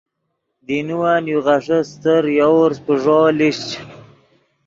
دینوّن یو غیݰے استر یوورس پیݱو لیشچ۔